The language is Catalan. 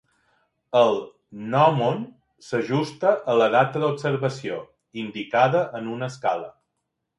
El gnòmon s'ajusta a la data d'observació, indicada en una escala.